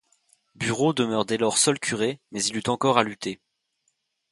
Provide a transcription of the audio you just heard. Bureau demeure dès lors seul curé; mais il eut encore à lutter.